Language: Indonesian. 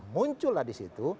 muncullah di situ